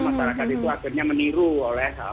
masyarakat itu akhirnya meniru oleh